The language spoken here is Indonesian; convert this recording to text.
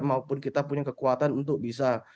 maupun kita punya kekuatan untuk potong satu generasi di dpr